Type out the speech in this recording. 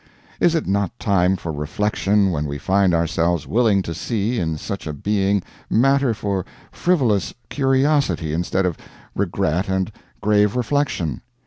Is it not time for reflection when we find ourselves willing to see in such a being matter for frivolous curiosity instead of regret and grave reflection?